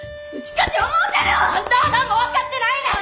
あんたは何も分かってないねん！